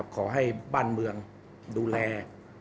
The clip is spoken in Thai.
ขอให้บ้านเมืองดูแล